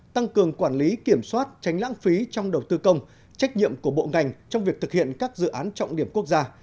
tăng cường quản lý kiểm soát tránh lãng phí trong đầu tư công trách nhiệm của bộ ngành trong việc thực hiện các dự án trọng điểm quốc gia